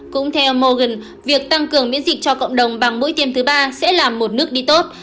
cũng theo morgan việc tăng cường miễn dịch cho cộng đồng bằng mũi tiêm thứ ba sẽ là một nước đi tốt